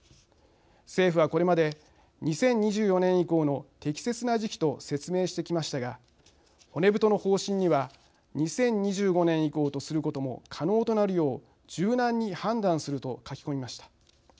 政府はこれまで２０２４年以降の適切な時期と説明してきましたが骨太の方針には２０２５年以降とすることも可能となるよう柔軟に判断すると書き込みました。